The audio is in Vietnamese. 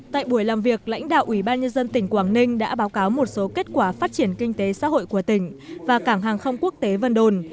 tại buổi làm việc lãnh đạo ủy ban nhân dân tỉnh quảng ninh đã báo cáo một số kết quả phát triển kinh tế xã hội của tỉnh và cảng hàng không quốc tế vân đồn